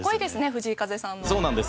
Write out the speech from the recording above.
藤井風さん